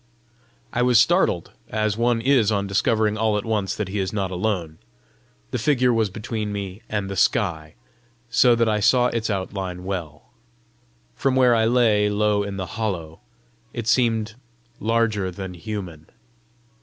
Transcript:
I was startled, as one is on discovering all at once that he is not alone. The figure was between me and the sky, so that I saw its outline well. From where I lay low in the hollow, it seemed larger than human.